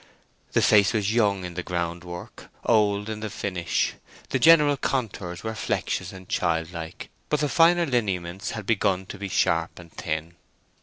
The face was young in the groundwork, old in the finish; the general contours were flexuous and childlike, but the finer lineaments had begun to be sharp and thin.